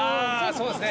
そうですね。